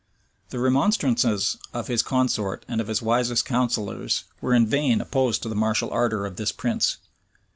The remonstrances of his consort and of his wisest counsellors were in vain opposed to the martial ardor of this prince.